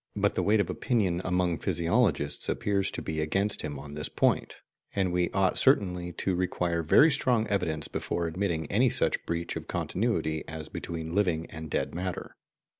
* But the weight of opinion among physiologists appears to be against him on this point; and we ought certainly to require very strong evidence before admitting any such breach of continuity as between living and dead matter.